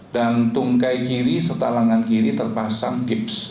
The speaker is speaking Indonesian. dan tungkai kiri serta langan kiri terpasang gips